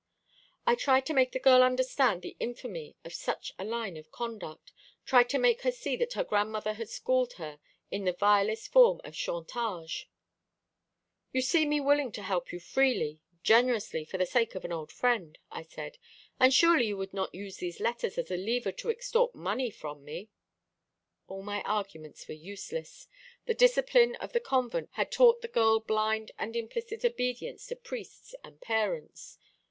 "I tried to make the girl understand the infamy of such a line of conduct tried to make her see that her grandmother had schooled her in the vilest form of chantage. 'You see me willing to help you freely, generously, for the sake of an old friend,' I said; 'and surely you would not use these letters as a lever to extort money from me.' All my arguments were useless. The discipline of the convent had taught the girl blind and implicit obedience to priests and parents.